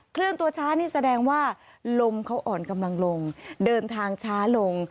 เลื่อนตัวช้านี่แสดงว่าลมเขาอ่อนกำลังลงเดินทางช้าลง